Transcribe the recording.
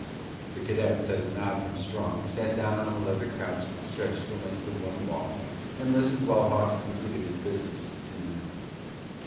The cadets, at a nod from Strong, sat down on a leather couch that stretched the length of one wall and listened while Hawks completed his business with the two men.